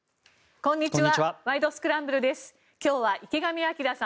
こんにちは。